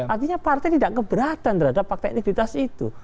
artinya partai tidak keberatan terhadap fakta integritas itu